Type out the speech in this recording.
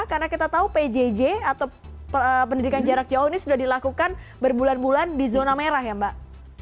karena kita tahu pjj atau pendidikan jarak jauh ini sudah dilakukan berbulan bulan di zona merah ya mbak